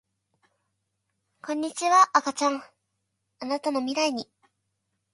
こんにちは赤ちゃんあなたの未来に